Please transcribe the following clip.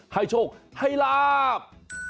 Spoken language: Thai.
ให้โชคให้ลาบ